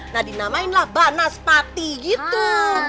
nah dinamainlah banas pati gitu